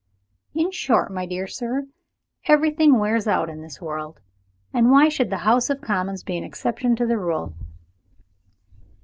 In short, my dear sir, everything wears out in this world and why should the House of Commons be an exception to the rule?"